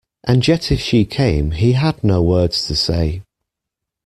And yet if she came he had no words to say.